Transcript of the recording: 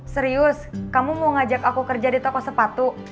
serius kamu mau ngajak aku kerja di toko sepatu